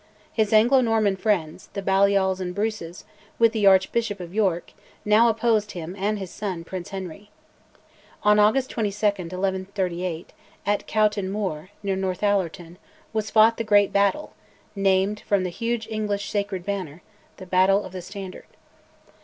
His Anglo Norman friends, the Balliols and Bruces, with the Archbishop of York, now opposed him and his son Prince Henry. On August 22, 1138, at Cowton Moor, near Northallerton, was fought the great battle, named from the huge English sacred banner, "The Battle of the Standard."